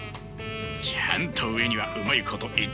ちゃんと上にはうまいこと言ってあるさ。